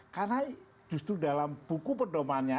karena justru dalam buku pendomanya